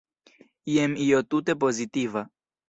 Jen io tute pozitiva.